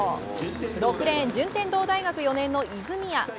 ６レーン、順天堂大学４年の泉谷。